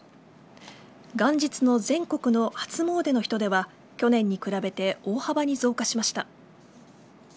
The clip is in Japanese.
元日の全国の初詣の人出は去年に比べて大幅に増加しました。